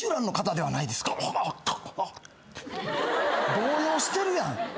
動揺してるやん。